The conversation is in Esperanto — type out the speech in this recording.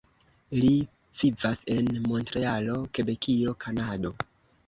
Li vivas en Montrealo, Kebekio, Kanado.